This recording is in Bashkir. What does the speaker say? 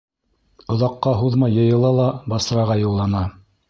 Оҙаҡҡа һуҙмай йыйына ла Басраға юллана.